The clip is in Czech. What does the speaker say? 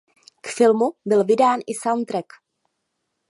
K filmu byl vydán i soundtrack.